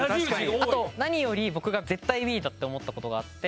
あと何より僕が絶対Ｂだと思ったことがあって。